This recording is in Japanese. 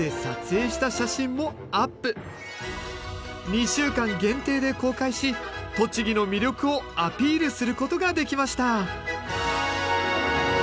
２週間限定で公開し栃木の魅力をアピールすることができました。